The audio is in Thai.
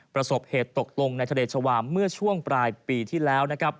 ประสบเหตุตกลงในทะเลชาวามเมื่อช่วงปลายปีที่แล้ว